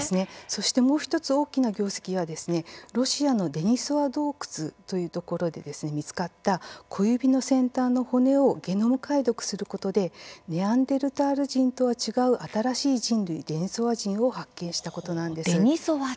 そしてもう１つ大きな業績は、ロシアのデニソワ洞窟というところで見つかった小指の先端の骨をゲノム解読することでネアンデルタール人とは違う新しい人類、デニソワ人を発見したことなんです。